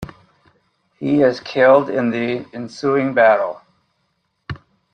He is killed in the ensuing battle.